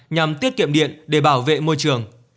nhằm tiết kiệm điện để bảo vệ môi trường